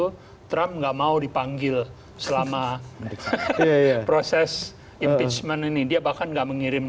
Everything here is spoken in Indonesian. hai trump nggak mau dipanggil selama proses impeachment ini dia bahkan nggak mengirim